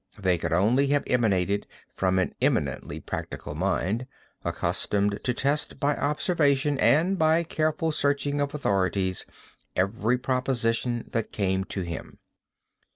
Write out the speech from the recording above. They could only have emanated from an eminently practical mind, accustomed to test by observation and by careful searching of authorities, every proposition that came to him.